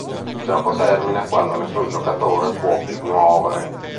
Il gioco termina quando nessun giocatore può più muovere.